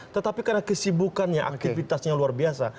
tetapi karena kesibukannya aktivitasnya luar biasa